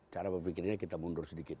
cara berpikirnya kita mundur sedikit